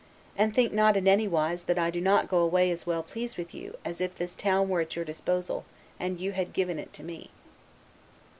And think not in any wise that I do not go away as well pleased with you as if this town were at your disposal, and you had given it to me.